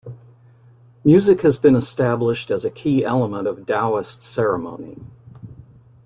Music has been established as a key element of Taoist ceremony.